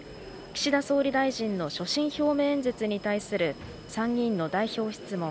岸田総理大臣の所信表明演説に対する参議院の代表質問